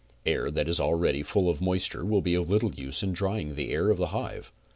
Air that is already full of moisture will be of little use in drying the air of the hive.